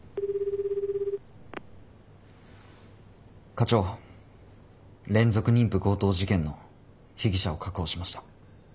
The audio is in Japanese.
課長連続妊婦強盗事件の被疑者を確保しました。